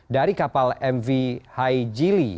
dari kapal mv haijili